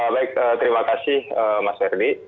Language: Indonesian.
baik terima kasih mas ferdi